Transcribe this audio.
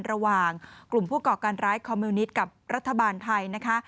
ระหว่างกลุ่มผู้ก่อการร้ายคอมมิวนิตกับรัฐบาลไทยนะคะ